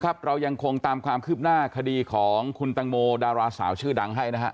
เรายังคงตามความคืบหน้าคดีของคุณตังโมดาราสาวชื่อดังให้นะฮะ